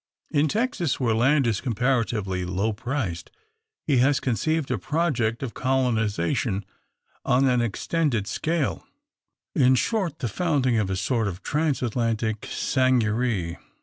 In Texas, where land is comparatively low priced, he has conceived a project of colonisation, on an extended scale in short, the founding a sort of Transatlantic seigneurie.